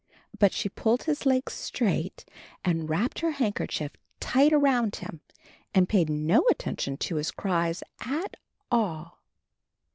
But she pulled his legs straight and wrapped her handkerchief tight around him and paid no attention to his cries at all.